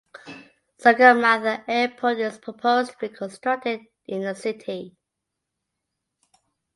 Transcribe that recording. Sagarmatha airport is proposed to be constructed in the city.